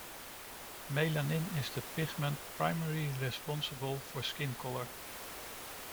Melanin is the pigment primarily responsible for skin color.